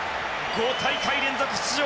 ５大会連続出場